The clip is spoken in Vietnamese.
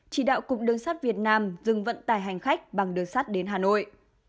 chỉ đạo cục đường sắt việt nam dừng vận tải hành khách bằng đường sắt đến hà nội